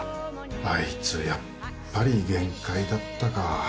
あいつ、やっぱり限界だったか。